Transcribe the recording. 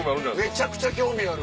めちゃくちゃ興味ある！